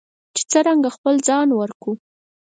چې څرنګه خپل ځان ورکوو.